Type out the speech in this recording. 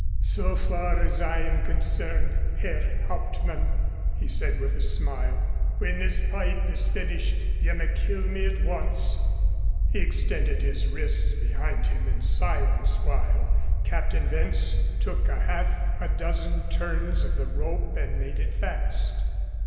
"So far as I am concerned, Herr Hauptmann," he said with a smile, "when this pipe is finished you may kill me at once." He extended his wrists behind him in silence while Captain Wentz took half a dozen turns of the rope and made it fast.